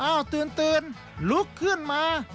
อ้าวตื่นลุกขึ้นมา